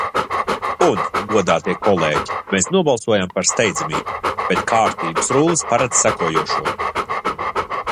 Un, godātie kolēģi, mēs nobalsojām par steidzamību, bet Kārtības rullis paredz sekojošo.